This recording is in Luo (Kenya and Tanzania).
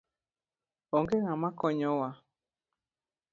Onge ng'ama konyo waa